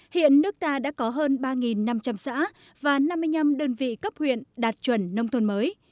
hiện nước ta đã có hơn ba năm trăm linh xã và năm mươi năm đơn vị cấp huyện đạt chuẩn nông thôn mới